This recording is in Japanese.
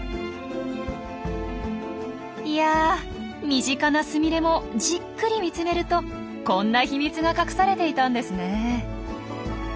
いや身近なスミレもじっくり見つめるとこんな秘密が隠されていたんですねえ。